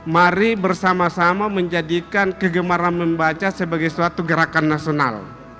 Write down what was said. mari bersama sama menjadikan kegemaran membaca sebagai suatu gerakan nasional